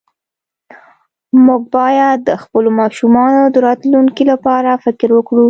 مونږ باید د خپلو ماشومانو د راتلونکي لپاره فکر وکړو